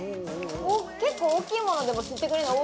結構大きいものでも吸ってくれるんだ